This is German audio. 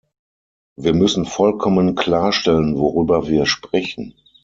Wir müssen vollkommen klarstellen, worüber wir sprechen.